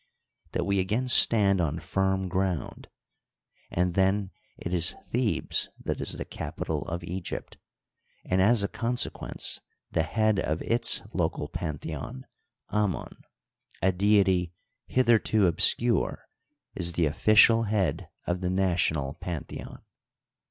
that we again stand on firm ground, and then it is Thebes that is the capital of Egypt ; and, as a consequence, the head of its local pantheon, Anton, a deity hitherto obscure, is the official head of the national pantheon.